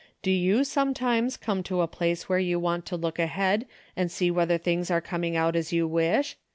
Do you, sometimes, come to a place where you want to look ahead and see whether things are coming out as you wish